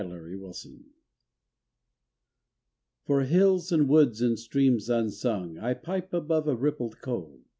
225 BY FAUGHAN For hills and woods and streams unsung I pipe above a rippled cove.